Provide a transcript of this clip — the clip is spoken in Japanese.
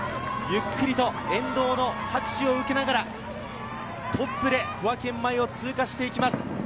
ゆっくりと沿道の拍手を受けながらトップで小涌園前を通過していきます。